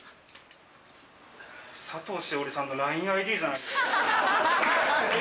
佐藤栞里さんのＬＩＮＥＩＤじゃないですか。